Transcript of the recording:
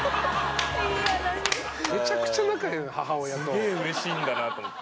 すげえうれしいんだなと思って。